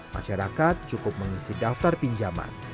masyarakat cukup mengisi daftar pinjaman